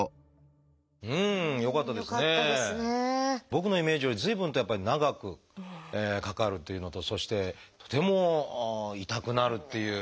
僕のイメージより随分とやっぱり長くかかるというのとそしてとても痛くなるっていう。